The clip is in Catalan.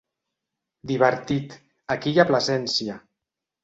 Divertit, aquí i a Plasencia.